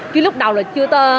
chứ lúc đầu là chưa hơn năm mươi